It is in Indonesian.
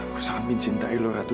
gue sangat mencintai lo ratu